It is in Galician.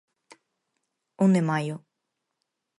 Un de maio.